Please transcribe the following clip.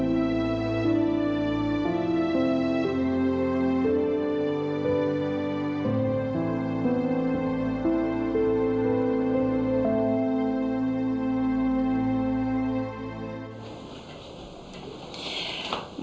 malah kherel karel itu kesayangan dia